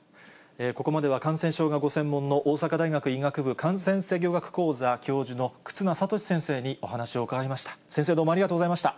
ここまでは感染症がご専門の大阪大学医学部感染制御学講座教授の忽那賢志先生にお話を伺いました。